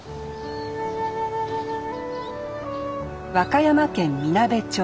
和歌山県みなべ町。